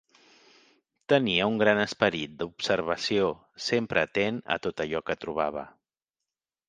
Tenia un gran esperit d’observació, sempre atent a tot allò que trobava.